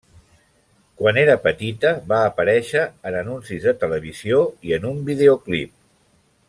Quan era petita va aparèixer en anuncis de televisió i en un videoclip.